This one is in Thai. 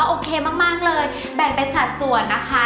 โอเคมากเลยแบ่งเป็นสัสสวน